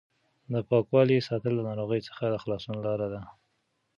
د پاکوالي ساتل د ناروغۍ څخه د خلاصون لار ده.